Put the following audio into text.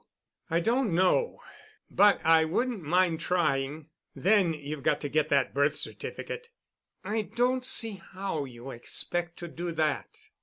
"I don't know. But I wouldn't mind trying. Then you've got to get that birth certificate——" "I don't see how you expect to do that."